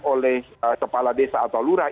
oleh kepala desa atau lurah